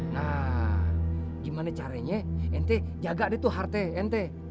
nah gimana caranya ente jaga deh tuh harta ente